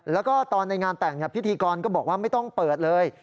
แล้วก็ตอนในงานแต่งพิธีกรก็บอกว่าไม่ต้องเปิดเลย